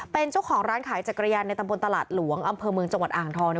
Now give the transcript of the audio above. เป็นเจ้าของร้านขายจักรยานในตำบลตลาดหลวงอำเภอเมืองจังหวัดอ่างทอง